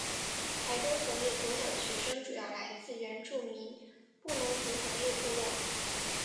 台东红叶国小的学生主要来自原住民布农族红叶部落。